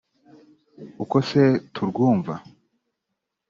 uko se turwumva